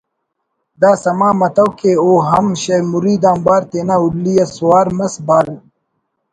دا سما متو کہ او ہم شہ مرید آنبار تینا ہلی آ سوار مس بال